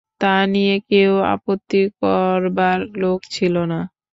তা নিয়ে কেউ আপত্তি করবার লোক ছিল না।